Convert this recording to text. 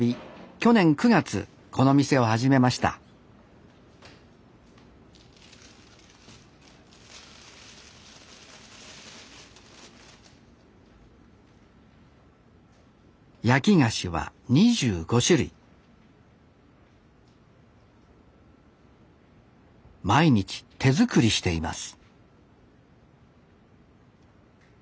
去年９月この店を始めました焼き菓子は２５種類毎日手作りしています